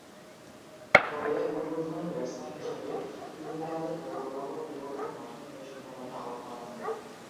তবে, উদ্বোধনী ব্যাটসম্যান হিসেবে ত্রিনিদাদ ও টোবাগোর বিপক্ষে মাঠে নেমে শূন্য রানে আউট হন।